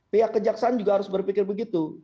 pihak kejaksaan juga harus berpikir begitu